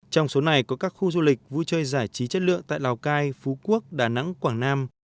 trong số này có các khu du lịch vui chơi giải trí chất lượng tại lào cai phú quốc đà nẵng quảng nam